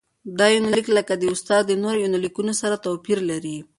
دا يونليک لکه د استاد د نورو يونليکونو سره تواپېر لري.